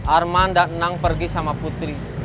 arman dan nang pergi sama putri